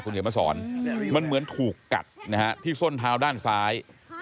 คุณเหนียวมาสอนมันเหมือนถูกกัดที่ส้นทาวด้านซ้าย